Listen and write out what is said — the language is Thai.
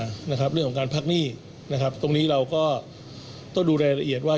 เรื่องของการพักหนี้นะครับตรงนี้เราก็ต้องดูรายละเอียดว่า